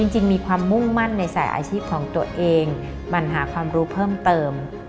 มีความมุ่งมั่นในสายอาชีพของตัวเองมันหาความรู้เพิ่มเติม